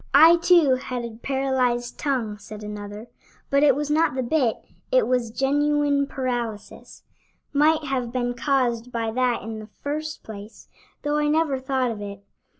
"I, too, had a paralyzed tongue," said another, "but it was not the bit, it was genuine paralysis might have been caused by that in the first place, though I never thought of it.